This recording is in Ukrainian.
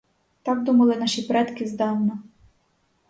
Так думали наші предки здавна.